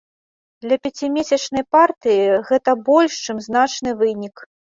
Для пяцімесячнай партыі гэта больш, чым значны вынік.